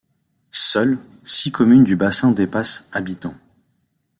Seules, six communes du bassin dépassent habitants.